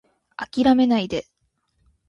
諦めないで